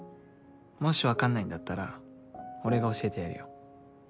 もし分かんないんだったら俺が教えてやるよ。